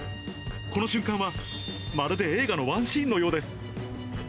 この瞬間は、まるで映画のワンシーンのようです。